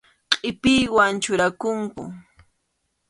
Qʼipiyman churakunku.